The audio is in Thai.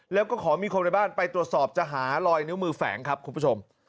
แล้วก็ขอมีคนในบ้านไปตรวจสอบจะหาลอยนิ้วมือแฝงครับคุณผู้ชม